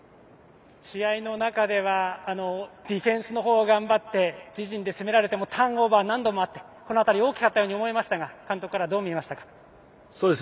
試合の中ではディフェンスのほうを頑張って自陣で攻められてもターンオーバー、何度もあってこの辺り、大きかったように思いますが監督からはどう見えましたか？